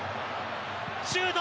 シュート。